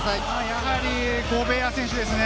やはりゴベア選手ですね。